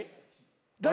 誰？